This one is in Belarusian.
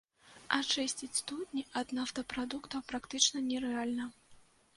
Ачысціць студні ад нафтапрадуктаў практычна нерэальна.